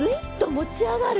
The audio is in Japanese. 持ち上がる」。